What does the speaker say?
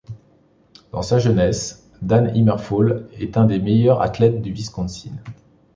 Dans sa jeunesse, Dan Immerfall est un des meilleurs athlètes du Wisconsin.